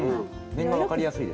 面が分かりやすいですね。